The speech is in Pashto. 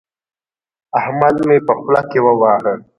احمد مې په خوله کې وواهه.